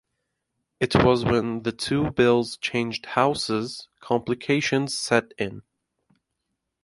It was when the two bills changed houses, complications set in.